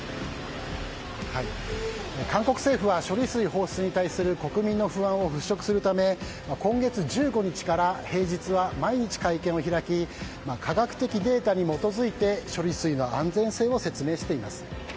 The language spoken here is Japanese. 韓国政府は処理水放出に対する国民の不安を払拭するため今月１５日から平日は毎日会見を開き科学的データに基づいて処理水の安全性を説明しています。